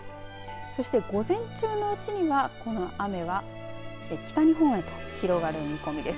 そして午前中のうちにはこの雨は北日本へと広がる見込みです。